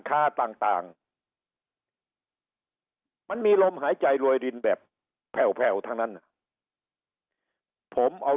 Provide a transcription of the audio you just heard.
ค่าต่างมันมีลมหายใจรวยรินแบบแผ่วทั้งนั้นผมเอา